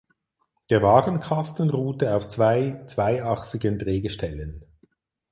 Der Wagenkasten ruhte auf zwei zweiachsigen Drehgestellen.